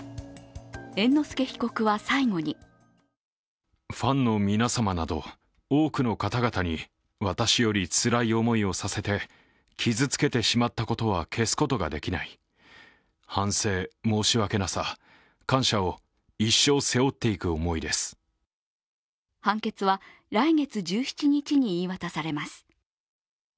猿之助被告は最後に判決は来月１７日に言い渡されます。